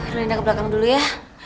aduh linda ke belakang dulu ya